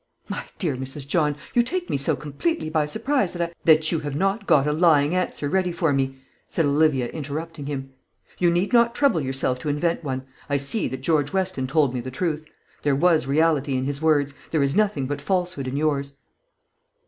"My dear Mrs. John, you take me so completely by surprise, that I " "That you have not got a lying answer ready for me," said Olivia, interrupting him. "You need not trouble yourself to invent one. I see that George Weston told me the truth. There was reality in his words. There is nothing but falsehood in yours."